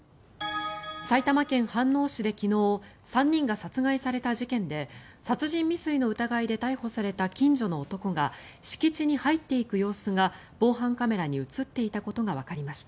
埼玉県飯能市で昨日３人が殺害された事件で殺人未遂の疑いで逮捕された近所の男が敷地に入っていく様子が防犯カメラに映っていたことがわかりました。